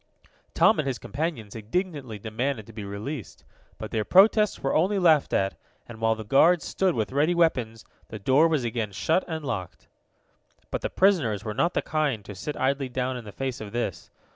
Tom and his companions indignantly demanded to be released, but their protests were only laughed at, and while the guards stood with ready weapons the door was again shut and locked. But the prisoners were not the kind to sit idly down in the face of this.